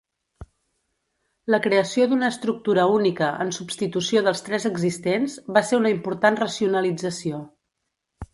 La creació d'una estructura única en substitució dels tres existents va ser una important racionalització.